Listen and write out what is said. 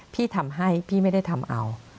พี่ทำให้พี่ไม่ได้ทำเอา